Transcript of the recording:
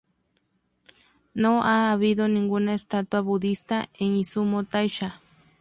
No ha habido ninguna estatua budista en Izumo Taisha.